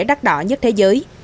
đắt đỏ nhất thế giới